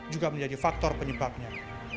juga menjadi faktor penyebabnya